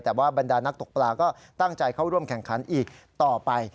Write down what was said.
แต่ว่าบรรดานักตกปลาก็ตั้งใจเข้าร่วมแข่งขันอีกต่อไป